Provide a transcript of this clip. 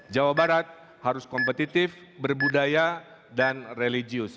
jawa barat harus kompetitif berbudaya dan religius